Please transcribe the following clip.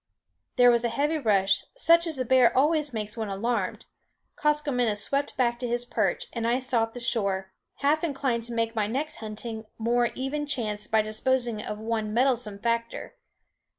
There was a heavy rush, such as a bear always makes when alarmed; Koskomenos swept back to his perch; and I sought the shore, half inclined to make my next hunting more even chanced by disposing of one meddlesome factor.